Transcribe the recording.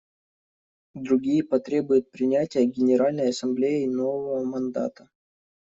Другие потребуют принятия Генеральной Ассамблеей нового мандата.